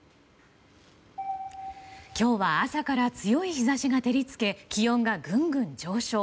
今日は朝から強い日差しが照り付け気温がぐんぐん上昇。